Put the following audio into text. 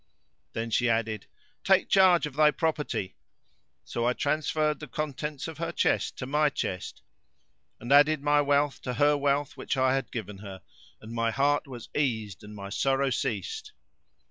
Then she added, "Take charge of thy property."; so I transferred the contents of her chest to my chest, and added my wealth to her wealth which I had given her, and my heart was eased and my sorrow ceased.